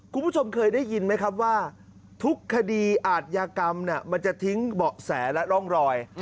คุณผู้ชมเคยได้ยินไหมครับว่าทุกคดีอาทยากรรมมันจะทิ้งเบาะแสและร่องรอย